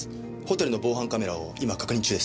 ホテルの防犯カメラを今確認中です。